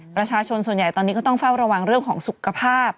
ประชาชนส่วนใหญ่ตอนนี้ก็ต้องเฝ้าระวังเรื่องของสุขภาพ